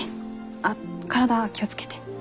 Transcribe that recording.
あっ体気を付けて。